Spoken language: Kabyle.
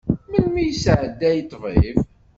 Melmi yesɛedday ṭṭbib?